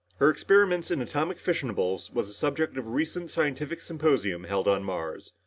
Her experiments in atomic fissionables was the subject of a recent scientific symposium held on Mars.